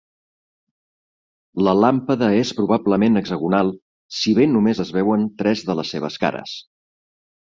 La làmpada és probablement hexagonal, si bé només es veuen tres de les seves cares.